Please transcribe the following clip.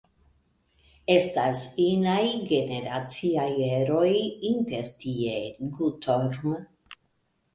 Estas inaj generaciaj eroj intertie, Gutorm.